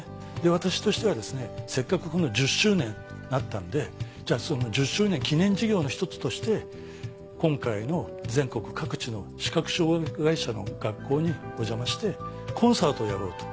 私としてはですねせっかく１０周年なったんでじゃあその１０周年記念事業の１つとして今回の全国各地の視覚障がい者の学校にお邪魔してコンサートをやろうと。